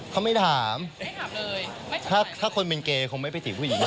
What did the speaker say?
เขาไม่ถามเขาคนเป็นเกยคงไม่ไปติแล้วถูกมั้ย